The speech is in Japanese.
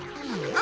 あ！